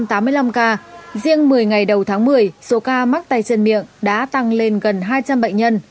riêng một mươi một mươi ngày đầu tháng một mươi số ca mắc tay chân miệng đã tăng lên gần hai trăm linh bệnh nhân